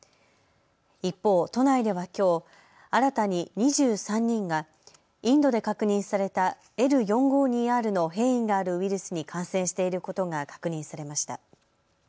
一方、都内ではきょう新たに２３人がインドで確認されたＬ４５２Ｒの変異があるウイルスに感染していることが確認されました。